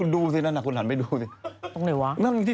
ดูซินั่นคุณหันไปดูซิ